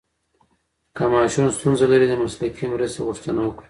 که ماشوم ستونزه لري، د مسلکي مرسته غوښتنه وکړئ.